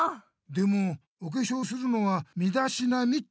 でもおけしょうするのはみだしなみって言ってたぞ。